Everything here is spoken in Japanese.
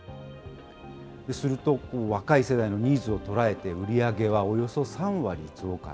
すると、若い世代のニーズを捉えて、売り上げはおよそ３割増加。